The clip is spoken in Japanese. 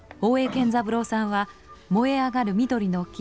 健三郎さんは「燃えあがる緑の木」